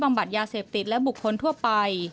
บัดยาเสพติดและบุคคลทั่วไป